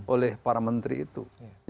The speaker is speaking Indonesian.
oleh para menteri itu